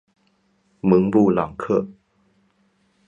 蒙布朗克。